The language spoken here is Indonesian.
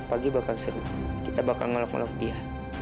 pagi bakal seru kita bakal ngelok ngelok dia